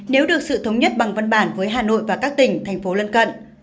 nếu được sự thống nhất bằng văn bản với hà nội và các tỉnh thành phố lân cận